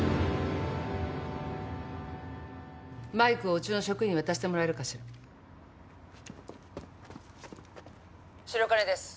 マイクをうちの職員に渡してもらえるかしら白金です